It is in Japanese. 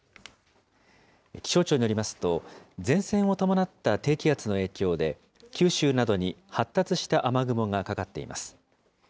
気象庁によりますと、前線を伴った低気圧の影響で、九州などに発達した雨雲がかかっています。